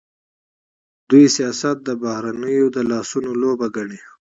دوی سیاست د بهرنیو د لاسونو لوبه ګڼي.